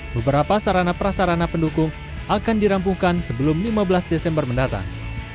beberapa sarana prasarana pendukung akan dirampungkan sebelum lima belas desember mendatang